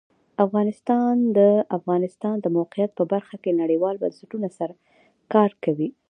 افغانستان د د افغانستان د موقعیت په برخه کې نړیوالو بنسټونو سره کار کوي.